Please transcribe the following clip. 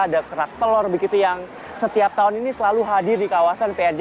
ada kerak telur begitu yang setiap tahun ini selalu hadir di kawasan prj